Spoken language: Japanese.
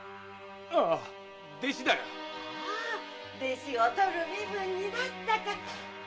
弟子をとる身分になったか！